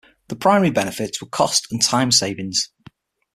The primary benefits were cost and time savings.